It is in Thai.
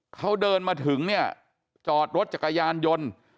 เขาเดินมาถึงเนี่ยจอดรถจักรยานยนต์